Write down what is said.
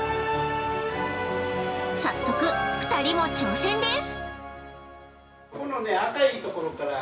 早速２人も挑戦です。